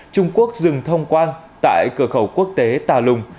trung quốc dừng thông quan tại cửa khẩu quốc tế tà lùng